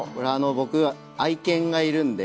僕愛犬がいるんで。